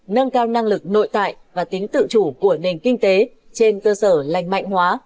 nâng cao năng lực nội tại và tính tự chủ của nền kinh tế trên cơ sở lành mạnh hóa